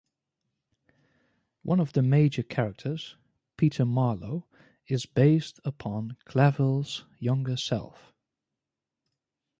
One of the major characters, Peter Marlowe, is based upon Clavell's younger self.